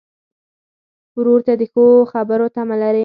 ورور ته د ښو خبرو تمه لرې.